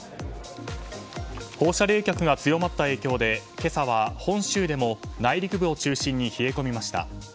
放射冷却が強まった影響で今朝は本州でも内陸部を中心に冷え込みました。